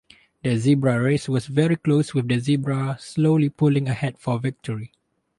The zebra race was very close with the zebra slowly pulling ahead for victory.